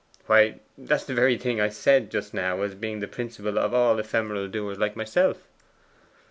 'Why, that's the very thing I said just now as being the principle of all ephemeral doers like myself.